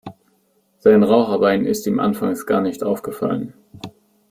Sein Raucherbein ist ihm anfangs gar nicht aufgefallen.